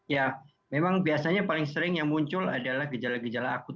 ya memang biasanya paling sering yang muncul adalah gejala gejala akut